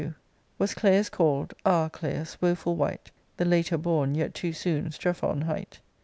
Was Claius call'd (ah, CJaius, woeful wight !); The later bom, yet too soon, Strephon hight.